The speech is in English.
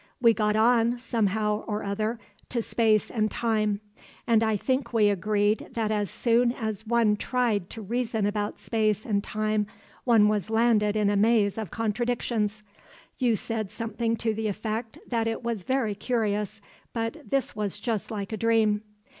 We got on, somehow or other, to space and time, and I think we agreed that as soon as one tried to reason about space and time one was landed in a maze of contradictions. You said something to the effect that it was very curious but this was just like a dream.